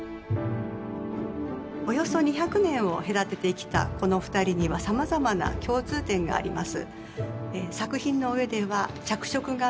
およそ２００年を隔てて生きたこの２人にはさまざまな共通点があります。